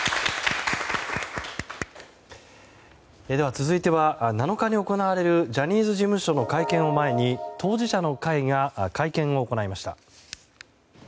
続いては、７日に行われるジャニーズ事務所の会見を前に当事者の会が会見を行いました。